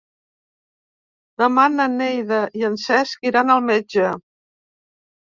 Demà na Neida i en Cesc iran al metge.